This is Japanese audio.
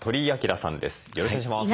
よろしくお願いします。